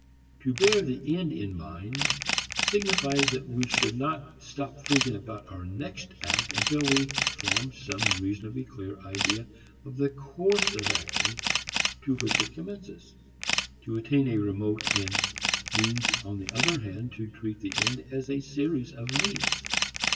To bear the end in mind signifies that we should not stop thinking about our next act until we form some reasonably clear idea of the course of action to which it commits us. To attain a remote end means on the other hand to treat the end as a series of means.